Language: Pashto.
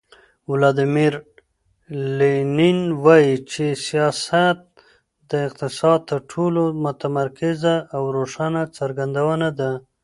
ولادیمیر لینین وایي چې سیاست د اقتصاد تر ټولو متمرکزه او روښانه څرګندونه ده.